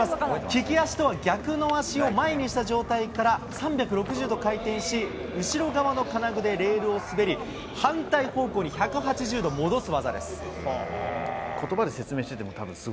利き足とは逆の足を前にした状態から、３６０度回転し、後ろ側の金具でレールを滑り、反対方向に１８０度戻す技です。